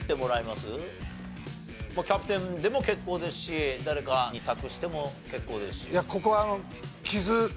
まあキャプテンでも結構ですし誰かに託しても結構ですし。